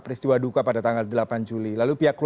peristiwa duka pada tanggal delapan juli